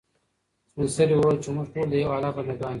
سپین سرې وویل چې موږ ټول د یو الله بنده ګان یو.